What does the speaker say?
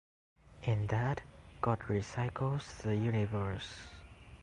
and that God recycles the universe